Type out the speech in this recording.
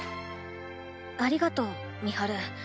ありがとう美晴。